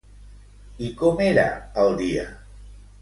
I com era el dia?